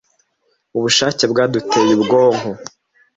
Ubushake bwaduteye ubwonko,